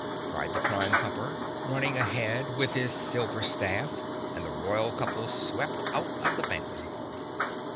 cried the Prime Pumper, running ahead with his silver staff, and the royal couple swept out of the banquet hall.